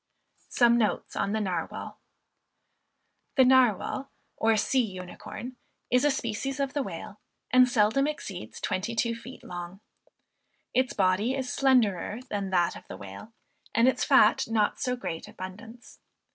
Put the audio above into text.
THE NARWAL, OR SEA UNICORN, Is a species of the Whale, and seldom exceeds twenty two feet long. Its body is slenderer than that of the whale, and its fat not in so great abundance.